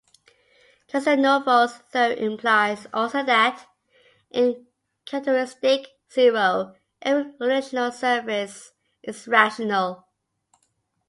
Castelnuovo's theorem implies also that, in characteristic zero, every unirational surface is rational.